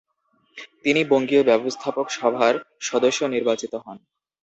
তিনি বঙ্গীয় ব্যবস্থাপক সভার সদস্য নির্বাচিত হন।